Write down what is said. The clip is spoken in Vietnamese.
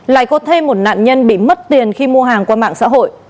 lại có thêm một nạn nhân bị mất tiền khi mua hàng qua mạng xã hội